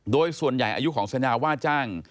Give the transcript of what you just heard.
โดยส่วนใหญ่อายุของสัญญาว่าจ้าง